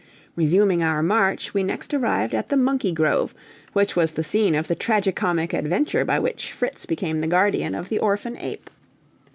Resuming our march, we next arrived at the Monkey Grove, which was the scene of the tragi comic adventure by which Fritz became the guardian of the orphan ape.